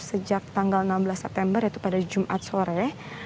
sejak tanggal enam belas september yaitu pada jumat sore